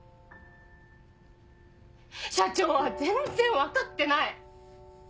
社長は全然分かってない！